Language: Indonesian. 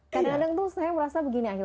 kadang kadang saya merasa begini